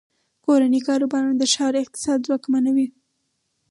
کورني کاروبارونه د ښار اقتصاد ځواکمنوي.